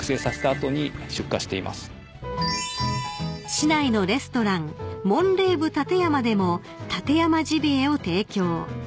［市内のレストランモン・レーヴ・タテヤマでも館山ジビエを提供］